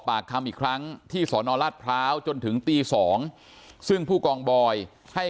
ปากคำอีกครั้งที่สอนอราชพร้าวจนถึงตี๒ซึ่งผู้กองบอยให้